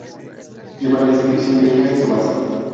Lleva la inscripción griega en su base.